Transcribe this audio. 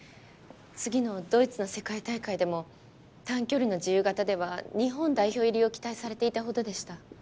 次のドイツの世界大会でも短距離の自由形では日本代表入りを期待されていたほどでした。